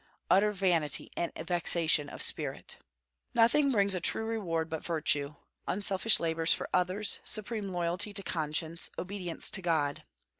Utter vanity and vexation of spirit! Nothing brings a true reward but virtue, unselfish labors for others, supreme loyalty to conscience, obedience to God.